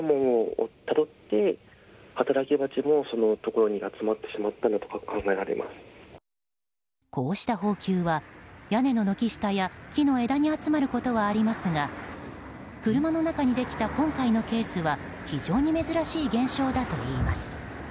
こうした蜂球は屋根の軒下や木の枝に集まることはありますが車の中にできた今回のケースは非常に珍しい現象だといいます。